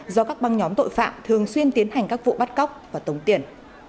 do các băng nhóm tội phạm thường xuyên tiến hành các vụ bắt cóc và tống tiền